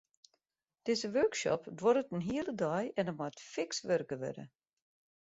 Dizze workshop duorret in hiele dei en der moat fiks wurke wurde.